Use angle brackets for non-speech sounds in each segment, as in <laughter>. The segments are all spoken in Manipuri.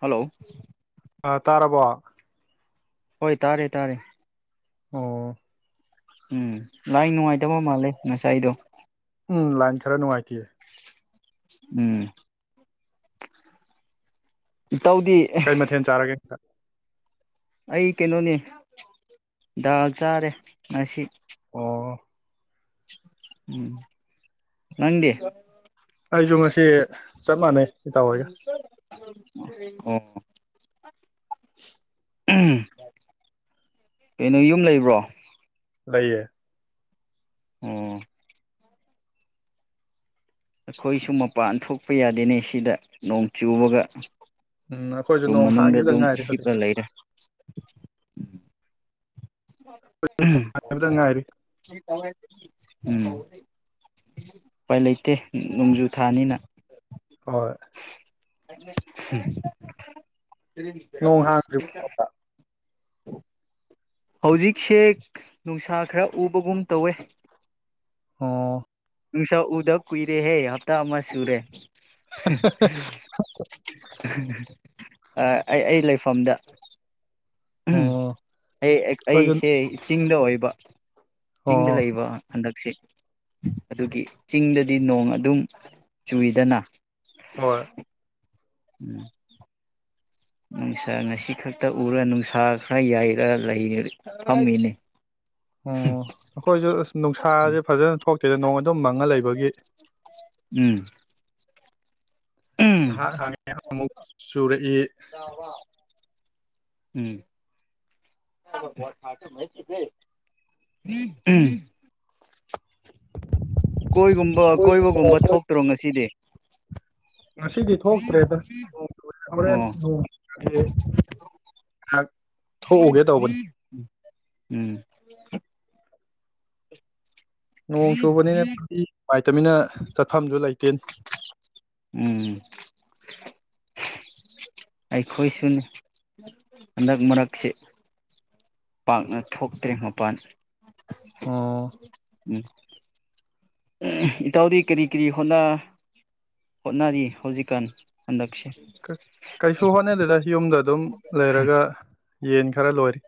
ꯍꯜꯂꯣ ꯑ ꯇꯥꯔꯕꯣ ꯍꯣꯏ ꯇꯥꯔꯦ ꯇꯥꯔꯦ ꯑꯣ ꯎꯝ ꯂꯥꯏ ꯅꯨꯡꯉꯥꯏꯇꯕ ꯃꯥꯜꯂꯦ ꯉꯁꯥꯏꯗꯣ ꯎꯝ ꯂꯥꯏꯟ ꯈꯔ ꯅꯨꯡꯉꯥꯏꯇꯦ ꯎꯝ ꯏ ꯇꯧꯗꯤ ꯑ ꯑꯩ ꯀꯩꯅꯣꯅꯦ ꯗꯥꯜ ꯆꯥꯔꯦ ꯉꯁꯤ ꯑꯣ ꯎꯝ ꯅꯪꯗꯤꯦ ꯑꯩꯁꯨ ꯉꯁꯤ ꯆꯞ ꯃꯥꯟꯅꯩ ꯏꯇꯥꯎ ꯍꯒ ꯑꯣ ꯀꯩꯅꯣ ꯌꯨꯝ ꯂꯩꯕ꯭ꯔꯣ ꯂꯩꯏꯌꯦ ꯎꯝ ꯑꯩꯈꯣꯏꯁꯨ ꯃꯄꯥꯟ ꯊꯣꯛꯄ ꯌꯥꯗꯦꯅꯦ ꯁꯤꯗ ꯅꯣꯡ ꯆꯨꯕꯒ ꯎꯝ ꯑꯩꯈꯣꯏꯁꯨ ꯔꯨꯝ ꯅꯣꯡ ꯃꯅꯨꯡꯗ ꯍꯥꯡꯈꯤꯗ ꯑꯗꯨꯝ ꯉꯥꯏꯔꯦ ꯍꯤꯞꯂ ꯍꯧꯖꯤꯛꯇ ꯂꯩꯔꯦ ꯉꯥꯏꯔ ꯎꯝ ꯎꯥꯏ ꯂꯩꯇꯦ ꯅꯣꯡꯖꯨ ꯊꯥꯅꯤꯅ ꯍꯣꯏ ꯎꯝ ꯅꯣꯡ ꯃꯦꯔꯝ ꯁꯃꯦ ꯊ ꯍꯥꯡꯗ꯭ꯔꯤꯕ ꯎ ꯍꯧꯖꯤꯛꯁꯦ ꯅꯨꯡꯁꯥ ꯈꯔ ꯎꯕꯒꯨꯝ ꯇꯧꯋꯦ ꯑ ꯏꯁ ꯎꯗꯛ ꯀꯨꯏꯔꯦ ꯍꯦ ꯇ ꯑꯃ ꯁꯨꯔꯦ ꯑꯩ ꯑꯩ ꯂꯩꯐꯝꯗ ꯑꯣ ꯎꯝ ꯑꯩꯈꯣꯏꯁꯨ ꯑꯩ ꯑꯩꯁꯦ ꯆꯤꯡ ꯍ ꯏꯕ ꯑꯣ ꯆꯤꯡꯗꯂꯏꯕ꯭ꯔ ꯑꯗꯨꯒꯤ ꯆꯤꯡꯗꯗꯤ ꯅꯣꯡ ꯑꯗꯨꯝ ꯆꯨꯏꯗꯅ ꯍꯣꯏ ꯎꯝ ꯅꯨꯡꯁꯥ ꯉꯁꯤ ꯈꯛꯇ ꯎꯔ ꯅꯨꯡꯁꯥ ꯈꯔ ꯌꯥꯏꯔ ꯂꯩ ꯐꯝꯃꯤꯅꯤ ꯑꯣꯝ ꯅꯈꯣꯏꯁꯨ ꯑꯁ ꯅꯨꯡꯁꯥꯁꯦ ꯐꯖꯅ ꯊꯣꯛꯆ ꯀꯗꯣ ꯅꯣꯡ ꯑꯗꯨꯝ ꯃꯪꯉ ꯂꯩꯕꯒꯤ ꯎꯝ ꯎꯝ ꯉꯍꯥꯛ ꯍꯪꯉ ꯑꯃꯨꯛ ꯆꯨꯔꯛꯏ ꯎꯝ ꯎꯝ ꯀꯣꯏꯒꯨꯝꯕ ꯀꯣꯏꯕꯒꯨꯝꯕ ꯊꯣꯛꯇ꯭ꯔꯣ ꯉꯁꯤꯗꯤ ꯉꯁꯤꯗꯤ ꯊꯣꯛꯇ꯭ꯔꯦꯗ ꯍꯣꯔꯦꯟ ꯑꯣ ꯅꯣꯡ ꯉꯥꯏꯍꯥꯛ ꯊꯣꯛꯎꯒꯦ ꯇꯧꯕꯅꯤ ꯎꯝ ꯅꯣꯡ ꯆꯨꯕꯅꯤꯅꯗꯤ ꯅꯨꯡꯉꯥꯏꯇꯃꯤꯅ ꯆꯠꯐꯝꯗꯨ ꯂꯩ ꯎꯝ ꯑꯩꯈꯣꯏꯁꯨꯅꯤ ꯍꯟꯗꯛ ꯃꯔꯛꯁꯤ ꯄꯥꯛꯅ ꯊꯣꯛꯇ꯭ꯔꯦ ꯃꯄꯥꯟ ꯑꯣ ꯎꯝ ꯏꯇꯥꯎꯗꯤ ꯀꯔꯤ ꯀꯔꯤ ꯍꯣꯠ ꯍꯣꯠꯅꯔꯤ ꯍꯧꯖꯤꯛꯀꯥꯟ ꯍꯟꯗꯛꯁꯦ ꯀꯩ ꯁꯣꯍꯅꯦ ꯂꯩꯗꯥ ꯍ ꯑꯣꯝꯗ ꯑꯗꯨꯝ ꯂꯩꯔꯒ ꯌꯦꯟ ꯈꯔ ꯂꯣꯏꯔꯤ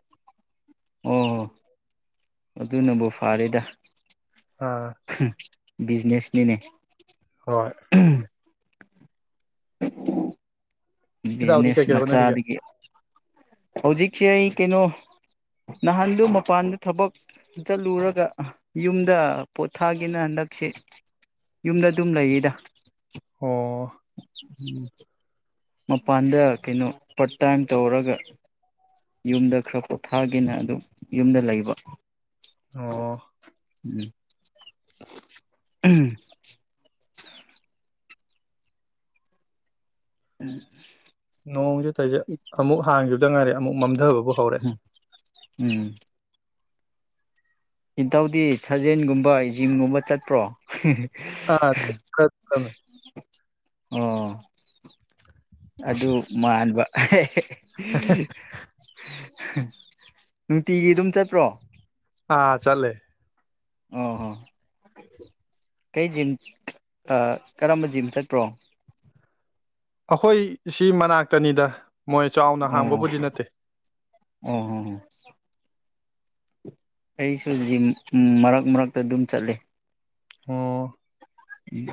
ꯑꯣ ꯍꯣ ꯑꯗꯨꯅꯕꯨ ꯐꯔꯦꯗ ꯑꯥ ꯕꯤꯅꯦꯁꯅꯤꯅꯦ ꯍꯣꯏꯣꯏ ꯏꯇꯥꯎꯗꯤ ꯕꯤꯖꯤꯅꯦꯁ ꯀꯩꯀꯩ ꯍꯣꯠꯅꯔꯤꯒꯦ ꯃꯆꯥꯗꯒꯤ ꯍꯧꯖꯤꯛꯁꯦ ꯑꯩ ꯀꯩꯅꯣ ꯅꯍꯥꯟꯗꯣ ꯃꯄꯥꯟꯗ ꯊꯕꯛ ꯆꯠꯂꯨꯔꯒ ꯌꯨꯝꯗ ꯄꯣꯊꯥꯒꯦꯅ ꯍꯟꯗꯛꯁꯦ ꯌꯨꯝꯗ ꯑꯗꯨꯝ ꯂꯩꯌꯦꯗ ꯑꯣ ꯃꯄꯥꯟꯗ ꯀꯩꯅꯣ ꯄꯥꯔꯠ ꯇꯥꯏꯝ ꯇꯧꯔꯒ ꯌꯨꯝꯗ ꯈꯔ ꯄꯣꯊꯥꯒꯦꯅ ꯑꯗꯨꯝ ꯌꯨꯝꯗ ꯂꯩꯕ ꯑꯣ ꯎꯝ ꯎꯝ ꯅꯣꯡꯁꯨ ꯊꯁꯦꯠ ꯑꯃꯨꯛ ꯍꯥꯡꯈꯤꯕ ꯑꯗꯨꯗꯉꯔꯦ ꯑꯃꯨꯛ ꯃꯝꯊꯕꯕꯨ ꯍꯧꯔꯦ ꯅꯤꯡꯊꯧꯗꯤ ꯁꯥꯖꯦꯜꯒꯨꯝꯕ ꯖꯤꯝꯒꯨꯝꯕ ꯆꯠꯄ꯭ꯔꯣ ꯑꯥꯤ ꯀꯃꯦ ꯑꯣ ꯑꯗꯨ ꯃꯥꯟꯕ ꯑ <unintelligible> ꯅꯨꯡꯇꯤꯒꯤ ꯑꯗꯨꯝ ꯆꯠꯄ꯭ꯔꯣ ꯑꯥ ꯆꯂꯦ ꯑꯣꯍꯣ ꯀꯩ ꯖꯤꯝ ꯀꯔꯝꯕ ꯖꯤꯝ ꯆꯠꯄ꯭ꯔꯣ ꯑꯩꯈꯣꯏ ꯁꯤ ꯃꯅꯥꯛꯇꯅꯤꯗ ꯃꯣꯏ ꯆꯥꯎꯅ ꯑꯣ ꯍꯥꯡꯕꯕꯨꯗꯤ ꯅꯠꯇꯦ ꯑꯣ ꯍ ꯑꯩꯁꯨ ꯖꯤꯝ ꯃꯔꯛ ꯃꯔꯛꯇ ꯑꯗꯨꯝ ꯆꯠꯂꯤ ꯑꯣ ꯎꯝ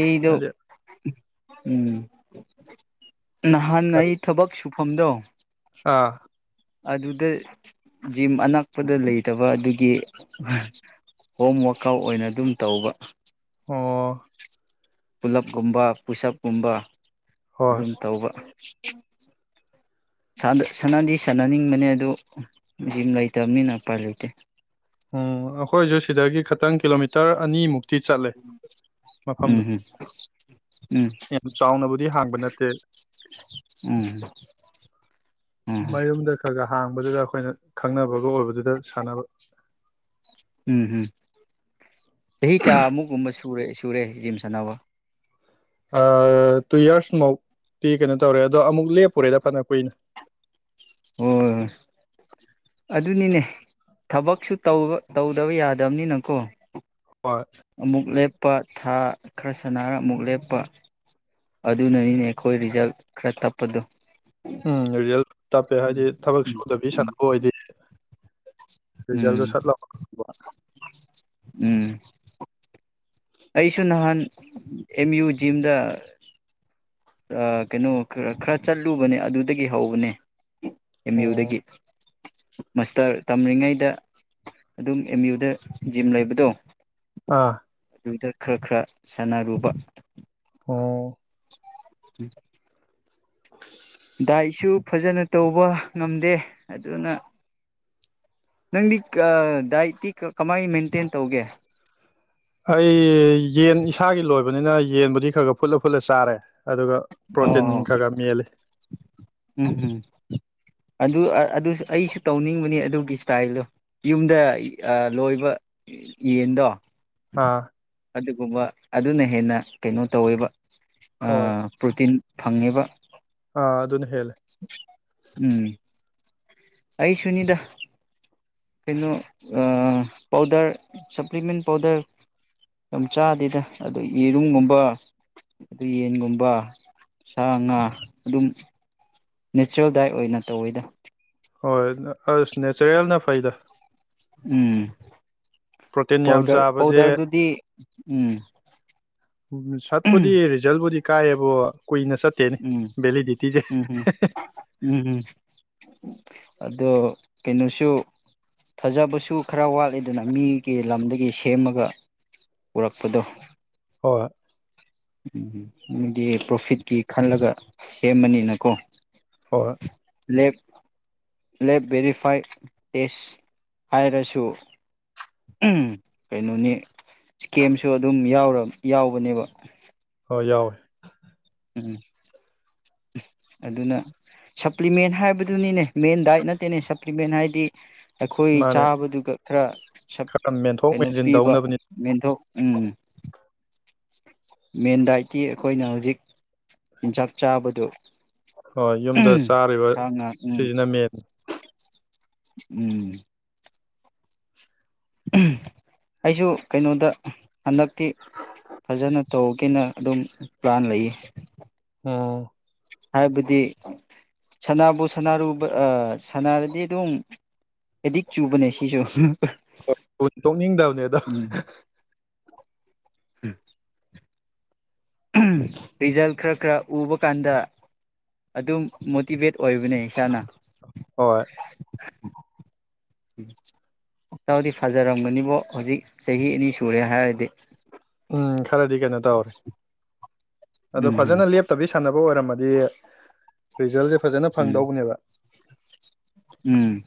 ꯑꯩꯗꯨ ꯍꯥꯏꯗꯤ ꯎꯝ ꯀꯔꯤ ꯅꯍꯥꯟꯏ ꯊꯕꯛ ꯁꯨ ꯍꯝꯗꯣꯡ ꯑꯥ ꯑꯗꯨꯗ ꯖꯤꯝ ꯑꯅꯛꯄꯗ ꯂꯩꯇꯕ ꯑꯗꯨꯒꯤ ꯍꯣꯝ ꯋꯥꯔꯀ ꯑꯥꯎꯠ ꯑꯣꯏꯅ ꯑꯗꯨꯝ ꯇꯧꯕ ꯑꯣ ꯄꯨꯜꯂꯞꯒꯨꯝꯕ ꯄꯨꯁꯞꯀꯨꯝꯕ ꯍꯣꯏ ꯑꯗꯨꯝ ꯇꯧꯕ ꯁꯥꯟꯅꯗꯤ ꯁꯥꯟꯅꯅꯤꯡꯕꯅꯦ ꯑꯗꯨ ꯖꯤꯝ ꯂꯩꯇꯕꯅꯤꯅ ꯎꯄꯥꯏ ꯂꯩꯇꯦ ꯎꯝ ꯑꯩꯈꯣꯏꯁꯨ ꯁꯤꯗꯒꯤ ꯈꯇꯪ ꯀꯤꯂꯣꯃꯤꯇꯔ ꯇꯔ ꯑꯅꯤꯃꯨꯛ ꯇꯤ ꯆꯠꯂꯦ ꯃꯐꯝꯗꯣ ꯎꯝ ꯎꯝ ꯌꯥꯝ ꯆꯥꯎꯅꯕꯨꯗꯤ ꯍꯥꯡꯕ ꯅꯠꯇꯦ ꯎꯝ ꯎꯝ ꯃꯌꯨꯝꯗ ꯈꯔ ꯈ ꯍꯥꯡꯕꯗꯨꯗ ꯑꯩꯈꯣꯏꯅ ꯈꯪꯅꯕꯒ ꯑꯣꯏꯕꯗꯨꯗ ꯁꯥꯟꯅꯕ ꯎꯝ ꯎꯝ ꯆꯍꯤ ꯀꯌꯥ ꯑꯃꯨ ꯀꯨꯝꯕ ꯁꯨꯔꯦ ꯁꯨꯔꯦ ꯖꯤꯝ ꯁꯥꯟꯅꯕ ꯇꯨ ꯌꯔꯁꯃꯨꯛꯇꯤ ꯀꯩꯅꯣ ꯇꯧꯔꯦ ꯑꯗꯣ ꯑꯃꯨꯛ ꯂꯦꯞꯄꯨꯔꯦꯗ ꯐꯅ ꯀꯨꯏꯅ ꯍꯣꯏ ꯍꯣꯏ ꯑꯗꯨꯅꯤꯅꯦ ꯊꯕꯛꯁꯨ ꯇꯧ ꯇꯧꯗꯕ ꯌꯥꯗꯕꯅꯤꯅꯀꯣ ꯍꯣꯏ ꯑꯃꯨꯛ ꯂꯦꯞ ꯇꯞꯄ ꯊꯥ ꯈꯔ ꯁꯅꯔ ꯑꯃꯨꯛ ꯂꯦꯞꯄ ꯑꯗꯨꯅꯅꯤꯅꯦ ꯑꯩꯈꯣꯏ ꯔꯤꯖꯜ ꯈꯔ ꯇꯞꯄꯗꯨꯣ ꯎꯝ ꯔꯤꯖꯜ ꯇꯞꯄꯦ ꯍꯥꯏꯗꯤ ꯊꯕꯛ ꯁꯨꯗꯕꯤ ꯁꯥꯟꯅꯕ ꯑꯣꯏꯗꯤ ꯔꯤꯖꯜꯗꯣ ꯎꯝ ꯁꯠ <inaudible> ꯎꯝ ꯑꯩꯁꯨ ꯅꯍꯥꯟ ꯑꯦꯝ ꯌꯨ ꯖꯤꯝꯗ ꯑ ꯀꯩꯅꯣ ꯈꯔ ꯈꯔ ꯆꯠꯂꯨꯕꯅꯦ ꯑꯗꯨꯗꯒꯤ ꯍꯧꯕꯅꯦ ꯑꯦꯝ ꯌꯨꯗꯒꯤ ꯃꯥꯁꯇꯔ ꯇꯝꯔꯤꯉꯩꯗ ꯑꯗꯨꯝ ꯑꯦꯝ ꯌꯨꯗ ꯖꯤꯝ ꯂꯩꯕꯗꯣ ꯑꯥ ꯑꯗꯨꯗ ꯈꯔ ꯈꯔ ꯁꯥꯟꯅꯔꯨꯕ ꯑꯣ ꯎꯝ <inaudible> ꯗꯥꯏꯠꯁꯨ ꯐꯖꯅ ꯇꯧꯕ ꯉꯝꯗꯦ ꯑꯗꯨꯅ ꯅꯪꯗꯤ ꯗꯥꯏꯠꯇꯤ ꯀꯃꯥꯏꯅ ꯃꯦꯟꯇꯦꯟ ꯇꯧꯒꯦ ꯑꯩ ꯌꯦꯟ ꯏꯁꯥꯒꯤ ꯂꯣꯏꯕꯅꯤꯅ ꯌꯦꯟꯕꯨꯗꯤ ꯈꯔ ꯈꯔ ꯐꯨꯠꯂ ꯐꯨꯠꯂ ꯆꯥꯔꯦ ꯑꯗꯨꯒ ꯄ꯭ꯔꯣꯇꯤꯟ ꯑꯣ ꯈꯔ ꯈ ꯃꯦꯜꯂꯤ ꯎꯝ ꯎꯝ ꯑꯗꯨ ꯑꯩꯁꯨ ꯇꯧꯅꯤꯡꯕꯅꯤ ꯑꯗꯨꯒꯤ ꯏꯁꯇꯥꯏꯜꯗꯣ ꯌꯨꯝꯗ ꯂꯣꯏꯕ ꯌꯦꯟꯗꯣ ꯑꯥ ꯑꯗꯨꯒꯨꯝꯕ ꯑꯗꯨꯅ ꯍꯦꯟꯅ ꯀꯩꯅꯣ ꯇꯧꯋꯦꯕ ꯑ ꯍꯣꯏ ꯄ꯭ꯔꯣꯇꯤꯟ ꯐꯪꯉꯤꯕ ꯑꯗꯨꯅꯦ ꯍꯂ ꯎꯝ ꯑꯩ ꯁꯨꯅꯤꯗ ꯀꯩꯅꯣ ꯄꯥꯎꯗꯔ ꯁꯄ꯭ꯂꯤꯃꯦꯟ ꯄꯥꯎꯗꯔ ꯌꯥꯝ ꯆꯥꯗꯦꯗ ꯑꯗꯨ ꯌꯦꯔꯨꯝꯒꯨꯝꯕ ꯑꯗꯨ ꯌꯦꯟꯒꯨꯝꯕ ꯁꯥ ꯉꯥ ꯑꯗꯨꯝ ꯅꯦꯆꯔꯦꯜ ꯗꯥꯏꯠ ꯑꯣꯏꯅ ꯇꯧꯋꯦꯗ ꯍꯣꯏ ꯑꯁ ꯅꯦꯆꯔꯦꯜꯅ ꯐꯩꯗ ꯎꯝ ꯄ꯭ꯔꯣꯇꯤꯟ ꯌꯥꯝ ꯄꯥꯎꯗꯔ ꯆꯥꯕꯁꯦ ꯄꯥꯎꯗꯔꯗꯨꯗꯤ ꯎꯝ ꯁꯠꯄꯨꯗꯤ ꯎꯝ ꯔꯤꯖꯜꯕꯨꯗꯤ ꯀꯥꯏꯌꯦꯕꯣ ꯀꯨꯏꯅ ꯆꯠꯇꯦꯅꯤ ꯎꯝ ꯚꯦꯂꯤꯗꯤꯇꯤꯁꯦ ꯎꯝ ꯎꯝ ꯎꯝ ꯑꯗꯣ ꯀꯩꯅꯣꯁꯨ ꯊꯥꯖꯕꯁꯨ ꯈꯔ ꯋꯥꯠꯂꯤꯦꯗꯅ ꯃꯤꯒꯤ ꯂꯝꯗꯒꯤ ꯁꯦꯝꯃꯒ ꯄꯨꯔꯛꯄꯗꯣ ꯋꯥ ꯎꯝ ꯑꯃꯗꯤꯗꯤ ꯄ꯭ꯔꯣꯐꯤꯠꯀꯤ ꯈꯜꯂꯒ ꯁꯦꯝꯕꯅꯤꯅꯀꯣ ꯍꯔ ꯂꯦꯞ ꯂꯦꯞ ꯚꯦꯔꯤꯐꯥꯏꯠ ꯇꯦꯁ ꯍꯥꯏꯔꯁꯨ ꯀꯩꯅꯣꯅꯤ ꯏꯁꯀꯦꯝꯁꯨ ꯑꯗꯨꯝ ꯌꯥꯎꯕꯅꯦꯕ ꯍꯣꯏ ꯌꯥꯎꯏꯦ ꯎꯝ ꯑꯗꯨꯅ ꯁꯄ꯭ꯂꯤꯃꯦꯟ ꯍꯥꯏꯕꯗꯨꯅꯤꯅꯦ ꯃꯦꯟ ꯗꯥꯏꯠ ꯅꯠꯇꯦꯅꯦ ꯁꯄ꯭ꯂꯤꯃꯦꯟ ꯍꯥꯏꯗꯤ ꯑꯩꯈꯣꯏ ꯃꯥꯅꯦ ꯆꯥꯕꯗꯨꯒ ꯈꯔ ꯁ ꯈꯔ ꯃꯦꯟꯊꯣꯛ ꯀꯩꯅꯣ ꯃꯦꯟꯁꯤꯟ ꯄꯤꯕ ꯇꯧꯅꯕꯅꯤ ꯃꯦꯟꯊꯣꯛ ꯎꯨꯡꯨꯡ ꯃꯦꯟ ꯗꯥꯏꯠꯇꯤ ꯑꯩꯈꯣꯏꯅ ꯍꯧꯖꯤꯛ ꯆꯤꯟꯖꯥꯛ ꯆꯥꯕꯗꯨ ꯍꯣꯏ ꯌꯨꯝꯗ ꯆꯥꯔꯤꯕ ꯁꯥ ꯉꯥ ꯎꯝ ꯁꯤꯁꯤꯅ ꯃꯦꯟꯅꯤ ꯎꯝ ꯑꯩꯁꯨ ꯀꯩꯅꯣꯗ ꯍꯟꯗꯛꯇꯤ ꯐꯖꯅ ꯇꯧꯒꯦꯅ ꯑꯗꯨꯝ ꯄ꯭ꯂꯥꯟ ꯂꯩꯌꯦ ꯑꯣ ꯍꯥꯏꯕꯗꯤ ꯁꯅꯥꯕꯨ ꯁꯅꯥꯔꯨꯕ ꯁꯅꯥꯔꯗꯤ ꯑꯗꯨꯝ ꯑꯦꯗꯤꯛ ꯆꯨꯕꯅꯦ ꯁꯤꯁꯨ ꯇꯣꯛꯅꯤꯡꯗꯕꯅꯦ ꯑꯗꯣ ꯎꯝ ꯔꯤꯖꯜ ꯈꯔ ꯈꯔ ꯎꯕ ꯀꯥꯟꯗ ꯑꯗꯨꯝ ꯃꯣꯇꯤꯚꯦꯠ ꯑꯣꯏꯕꯅꯦ ꯏꯁꯥꯅ ꯍꯣꯏ ꯎꯝ ꯍꯇꯥꯎꯗꯤ ꯐꯖꯔꯝꯒꯅꯤꯕꯣ ꯍꯧꯖꯤꯛ ꯆꯍꯤ ꯑꯅꯤ ꯁꯨꯔꯦ ꯍꯥꯏꯔꯗꯤ ꯎꯝ ꯈꯔꯗꯤ ꯀꯩꯅꯣ ꯇꯧꯔꯦ ꯑꯗꯣ ꯎꯝ ꯐꯖꯅ ꯂꯦꯞꯇꯕꯤ ꯁꯥꯟꯅꯕ ꯑꯣꯏꯔꯝꯃꯗꯤ ꯔꯤꯖꯜ ꯐꯖꯅ ꯎꯝ ꯐꯪꯗꯧꯕꯅꯦꯕ <unintelligible> ꯎꯝ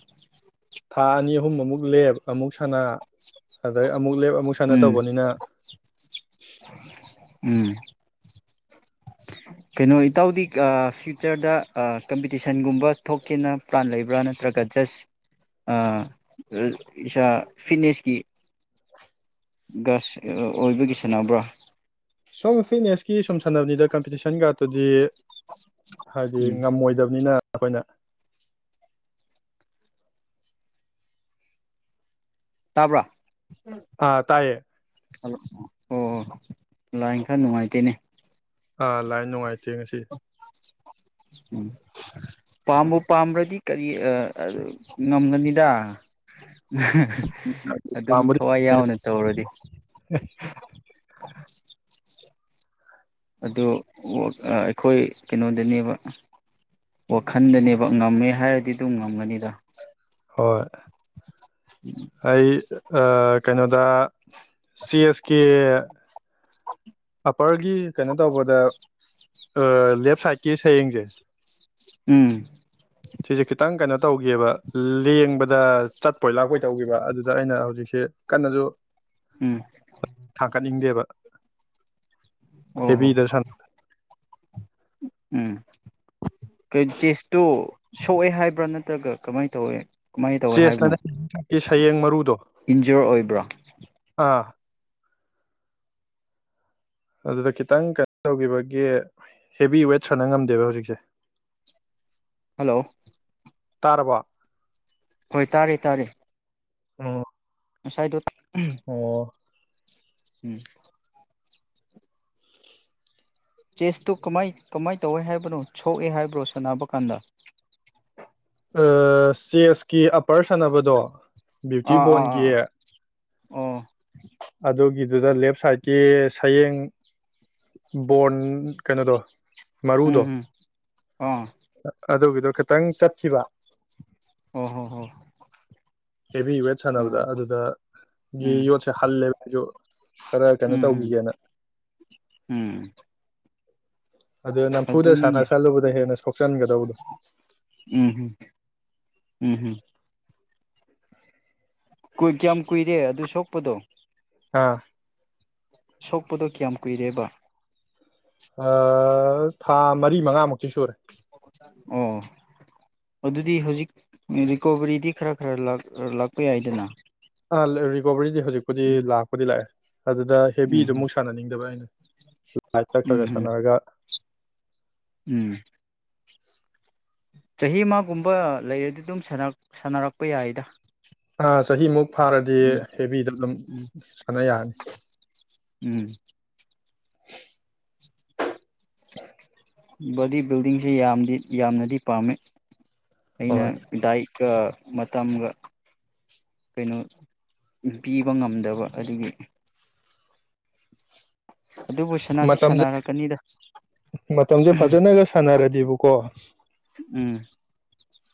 ꯊꯥ ꯑꯅꯤ ꯑꯍꯨꯝ ꯑꯃꯨꯛ ꯂꯦꯞ ꯑꯃꯨꯛ ꯁꯅꯥ ꯑꯗꯩ ꯑꯃꯨꯛ ꯂꯦꯞ ꯑꯃꯨꯛ ꯁꯥꯟꯅ ꯎꯝ ꯇꯧꯕꯅꯤꯅ <unintelligible> ꯀꯩꯅꯣ ꯏꯇꯥꯎꯗꯤ ꯐ꯭ꯌꯨꯆꯔꯗ ꯀꯝꯄꯤꯇꯤꯁꯟꯒꯨꯝꯕ ꯊꯣꯛꯀꯦꯅ ꯄ꯭ꯂꯥꯟ ꯂꯩꯕ꯭ꯔꯥ ꯅꯠꯇ꯭ꯔꯒ ꯖꯁ ꯏꯁꯥ ꯐꯤꯠꯅꯦꯁꯀꯤ ꯒ ꯑꯣꯏꯕꯒꯤ ꯁꯥꯟꯅꯕ꯭ꯔꯥ ꯁꯨꯝ ꯐꯤꯠꯅꯦꯁꯀꯤ ꯁꯨꯝ ꯁꯥꯟꯅꯕꯅꯤꯗ ꯀꯝꯄꯤꯇꯤꯁꯟ ꯉꯥꯛꯇꯗꯤ ꯍꯥꯏꯗꯤ ꯎꯝ ꯉꯝꯃꯣꯏꯗꯕꯅꯤꯅ ꯑꯩꯈꯣꯏꯅ ꯇꯥꯕ꯭ꯔꯥ ꯑꯥ ꯇꯥꯏꯌꯦ ꯍꯜꯂꯣ ꯍꯣꯏ ꯍꯣꯏꯣꯏ ꯂꯥꯛ ꯈꯔ ꯅꯨꯡꯉꯥꯏꯇꯦꯅꯦ ꯑꯥ ꯂꯥꯏ ꯅꯨꯡꯉꯥꯏꯇꯦ ꯉꯁꯤ ꯎꯝ ꯄꯥꯝꯕ ꯄꯥꯝꯕ꯭ꯔꯗꯤ ꯀꯔꯤ ꯉꯝꯒꯅꯤꯗ ꯑꯗꯨꯝ ꯄꯥꯝꯕꯨꯗꯤ ꯊꯋꯥꯏ ꯄꯥꯝꯃꯦ ꯌꯥꯎꯅ ꯇꯧꯔꯗꯤ ꯑꯗꯨ ꯑꯩꯈꯣꯏ ꯀꯩꯅꯣꯗꯅꯦꯕ ꯋꯥꯈꯜꯗꯅꯦꯕ ꯉꯝꯃꯦ ꯍꯥꯏꯔꯗꯤ ꯑꯗꯨꯝ ꯉꯝꯒꯅꯤꯗ ꯍꯣꯏ ꯑꯩ ꯀꯩꯅꯣꯗ ꯁꯤ ꯑꯦꯁ ꯀꯦ ꯑꯞꯄꯔꯒꯤ ꯀꯩꯅꯣ ꯇꯧꯕꯗ ꯑ ꯂꯦꯞ ꯁꯥꯏꯠꯀꯤ ꯁꯌꯦꯡꯁꯦ ꯎꯝ ꯁꯤꯁꯦ ꯈꯤꯇꯪ ꯀꯩꯅꯣ ꯇꯧꯒꯕ ꯂꯦꯡꯕꯗ ꯆꯠꯄꯣꯏ ꯂꯥꯛꯄꯣꯏ ꯇꯧꯈꯤꯕ ꯑꯗꯨꯗ ꯑꯩꯅ ꯍꯧꯖꯤꯛꯁꯦ ꯀꯟꯅꯁꯨ ꯎꯝ ꯅꯤꯡꯗꯦꯕ ꯑꯣ ꯍꯦꯕꯤ ꯍꯣ ꯏꯗꯁꯥꯟ ꯎꯝ ꯀ ꯆꯦꯁꯇꯨ ꯁꯣꯛꯑꯦ ꯍꯥꯏꯕ꯭ꯔꯥ ꯅꯠꯇ꯭ꯔꯒ ꯀꯃꯥꯏꯅ ꯇꯧꯋꯦ ꯀꯃꯥꯏꯅ ꯇꯧꯋꯦ ꯍꯥꯏꯕꯅꯣ ꯆꯦꯁꯅꯀꯤ ꯁꯌꯦꯡ ꯃꯔꯨꯗꯣ ꯏꯟꯖꯣꯔ ꯑꯣꯏꯕ꯭ꯔꯥ ꯑꯥ ꯑꯗꯨꯗ ꯈꯤꯇꯪ ꯀꯩꯅꯣ ꯇꯧꯈꯤꯕꯒꯤ ꯍꯦꯚ ꯋꯦꯠ ꯁꯅ ꯉꯝꯗꯦꯕ ꯍꯧꯖꯤꯛꯁꯦ ꯍꯜꯂꯣ ꯇꯔꯕꯥ ꯍꯣꯏ ꯇꯥꯔꯦ ꯇꯥꯔꯦ ꯑ ꯁꯥꯏꯗ ꯑꯣ ꯎꯝ ꯆꯦꯁꯇꯨ ꯀꯃꯥꯏ ꯀꯃꯥꯏ ꯇꯧꯋꯦ ꯍꯥꯏꯕꯅꯣ ꯁꯣꯛꯑꯦ ꯍꯥꯏꯕ꯭ꯔꯣ ꯁꯥꯟꯅꯕ ꯀꯥꯟꯗ ꯆꯦꯁꯀꯤ ꯑꯞꯄꯔ ꯁꯥꯟꯅꯕꯗꯣ ꯕꯤꯌꯨꯇꯤ ꯣꯟꯒꯤ ꯎ ꯑꯗꯨꯒꯤꯗꯨꯗ ꯂꯦꯞ ꯁꯥꯏꯠꯀꯤ ꯁꯌꯦꯡ ꯕꯣꯔꯟ ꯀꯩꯅꯣꯗꯣ ꯎꯝ ꯃꯔꯨꯗꯣ ꯎꯝ ꯑꯥ ꯑꯗꯨꯒꯤꯗꯣ ꯈꯤꯇꯪ ꯆꯠꯈꯤꯕ ꯑ ꯍ ꯍ ꯍꯦꯚꯤ ꯋꯦꯠ ꯁꯥꯟꯅꯕꯗ ꯑꯗꯨ ꯒꯤ ꯎꯝ ꯌꯣꯠꯁꯦ ꯍꯜꯂꯦꯕꯁꯨ ꯈꯔ ꯀꯩꯅꯣ ꯎꯝ ꯎꯝ ꯇꯧꯈꯤꯒꯦꯅ ꯎꯝ ꯑꯗꯨꯗ ꯅꯝꯐꯨꯗ ꯁꯥꯟꯅ ꯑꯗꯨꯅꯤꯅꯦ ꯁꯜꯂꯨꯕꯗ ꯍꯦꯟꯅ ꯆꯟꯒꯗꯧꯕꯗꯣ ꯎꯝ ꯎꯝ ꯎꯝ ꯍꯝ꯫ ꯀꯨꯏ ꯀꯌꯥꯝ ꯀꯨꯏꯔꯦ ꯑꯗꯨ ꯁꯣꯛ ꯄꯗꯣ ꯑꯥ꯫ ꯁꯣꯛꯄꯗꯣ ꯀꯌꯥꯝ ꯀꯨꯏꯔꯦꯕ? ꯊꯥ ꯃꯔꯤ- ꯃꯉꯥꯃꯨꯛꯇꯤ ꯁꯨꯔꯦ꯫ ꯑꯣ ꯑꯗꯨꯗꯤ ꯍꯧꯖꯤꯛ ꯔꯤꯀꯣꯕꯔꯤꯗꯤ ꯈꯔ- ꯈꯔ ꯂꯥꯛꯄ ꯌꯥꯏꯗꯅ ꯑ ꯔꯤꯕꯔꯤꯗꯤ ꯍꯧꯖꯤꯛꯄꯨꯗꯤ ꯎꯝ ꯂꯥꯛꯄꯨꯗꯤ ꯂꯥꯛꯑꯦ ꯫ ꯑꯗꯨꯗ ꯍꯦꯕꯤꯗꯨ ꯎꯝ ꯑꯃꯨꯛ ꯁꯥꯟꯅꯅꯤꯡꯗꯕ ꯑꯩꯅ꯫ <inaudible> ꯂꯥꯏꯠ ꯎꯝ ꯇꯛꯈ꯭ꯔꯒ ꯎꯝ ꯁꯥꯟꯅꯔꯒ ꯎꯝ꯫ <inaudible> ꯆꯍꯤ ꯑꯃꯒꯨꯝꯕ ꯂꯩꯔꯗꯤ ꯑꯗꯨꯝ ꯁꯥꯟꯅꯔꯛꯄ ꯌꯥꯏꯗ ꯑ ꯆꯍꯤꯃꯨꯛ ꯐꯥꯔꯗꯤ ꯎꯝ ꯍꯦꯕꯤꯗ ꯑꯗꯨꯝ ꯎꯝ ꯁꯥꯟꯅ ꯌꯥꯔꯅꯤ꯫ ꯎꯝ꯫ <inaudible> ꯕꯣꯗꯤ ꯕꯤꯜꯗꯤꯡꯁꯤ ꯌꯥꯝꯗꯤ ꯌꯥꯝꯅꯗꯤ ꯄꯥꯝꯃꯤ ꯑꯩꯅ ꯍꯣꯏ ꯗꯥꯏ ꯃꯇꯝꯒ ꯀꯩꯅꯣ ꯄꯤꯕ ꯉꯝꯗꯕ ꯑꯗꯨꯒꯤ ꯑꯗꯨꯕꯨ ꯁꯅꯥꯗꯤ ꯃꯇꯝꯁꯦ ꯁꯥꯟꯅꯔꯛꯀꯅꯤꯗ ꯃꯇꯝꯁꯦ ꯐꯖꯅꯒ ꯁꯥꯟꯅꯔꯗꯤ ꯗꯕꯨꯨ ꯀꯣ ꯎꯝ꯫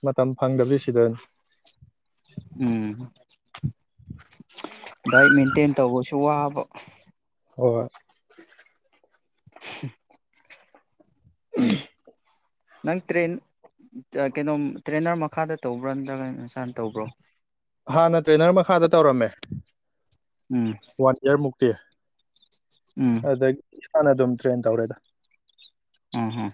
ꯃꯇꯝ ꯐꯪꯗꯕ ꯁꯤꯗ ꯎꯝ ꯗꯥꯏꯠ ꯃꯦꯟꯇꯦꯟ ꯇꯧꯕꯁꯨ ꯋꯥꯕ ꯍꯣꯏ ꯫ <unintelligible> <unintelligible> ꯅꯪ ꯇ꯭ꯔꯦꯟ ꯀꯩꯅꯣꯝ ꯇ꯭ꯔꯦꯟꯅꯔ ꯃꯈꯥꯗ ꯇꯧꯕ꯭ꯔꯥ ꯅꯠꯇ꯭ꯔꯒ ꯅꯁꯥꯅ ꯇꯧꯕ꯭ꯔꯣ? ꯍꯥꯟꯅ ꯇ꯭ꯔꯦꯅꯔ ꯃꯈꯥꯗ ꯇꯧꯔꯝꯃꯦ ꯎꯝ ꯋꯥꯟ ꯏꯌꯥꯔ ꯃꯨꯛꯇꯤ ꯎꯝ ꯑꯗ ꯍꯥꯟꯅ ꯑꯗꯨꯝ ꯇ꯭ꯔꯦꯟ ꯇꯧꯔꯦꯗ ꯫ ꯑ ꯍꯥꯥ